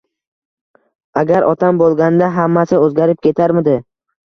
Agar otam bo‘lganida hammasi o‘zgarib ketarmidi?